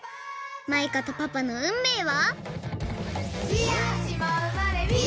マイカとパパのうんめいは！？